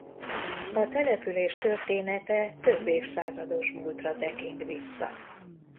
A település története több évszázados múltra tekint vissza.